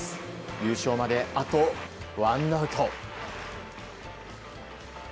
優勝まで、あとワンアウト。